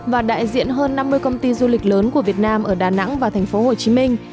và đại diện hơn năm mươi công ty du lịch lớn của việt nam ở đà nẵng và thành phố hồ chí minh